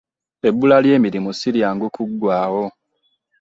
Ebbula ly'emirimu si lyangu kuggwaawo.